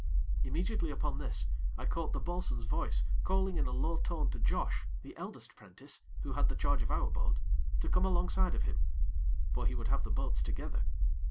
Immediately upon this, I caught the bo'sun's voice, calling in a low tone to Josh, the eldest 'prentice, who had the charge of our boat, to come alongside of him; for he would have the boats together.